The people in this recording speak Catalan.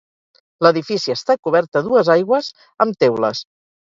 L'edifici està cobert a dues aigües amb teules.